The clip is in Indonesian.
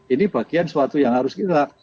ini bagian suatu yang harus kita